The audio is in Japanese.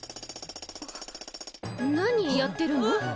何やってるの？